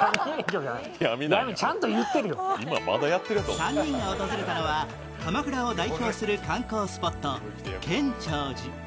３人が訪れたのは鎌倉を代表する観光スポット・建長寺。